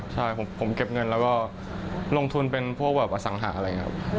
ใช่ผมเก็บเงินแล้วก็ลงทุนเป็นพวกอสังหาริมทรัพย์